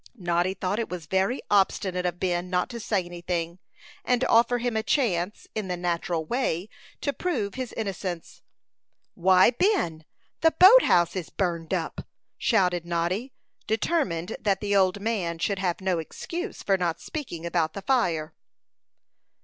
Noddy thought it was very obstinate of Ben not to say something, and offer him a chance, in the natural way, to prove his innocence. "Why, Ben, the boat house is burned up!" shouted Noddy, determined that the old man should have no excuse for not speaking about the fire.